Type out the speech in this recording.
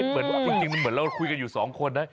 จริงมันเหมือนเราคุยกันอยู่สองคนนะ